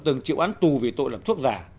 từng chịu án tù vì tội làm thuốc giả